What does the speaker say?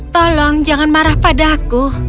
tolong jangan marah padaku